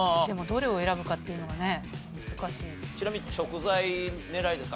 でもどれを選ぶかっていうのがね難しい。